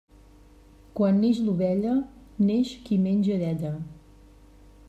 Quan neix l'ovella, neix qui menja d'ella.